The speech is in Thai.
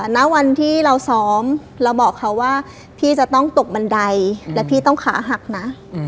ณวันที่เราซ้อมเราบอกเขาว่าพี่จะต้องตกบันไดและพี่ต้องขาหักนะ